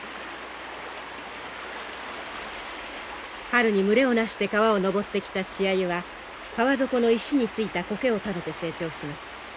春に群れをなして川を上ってきた稚アユは川底の石についた苔を食べて成長します。